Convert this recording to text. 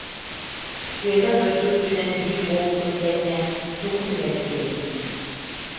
Сыана дойду үрдүнэн биир буолбутун кэннэ, тугу түһэрсиэҥий?